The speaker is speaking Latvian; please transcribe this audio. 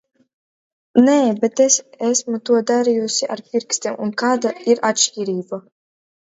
Nē, bet esmu to darījusi ar pirkstiem, un kāda ir atšķirība?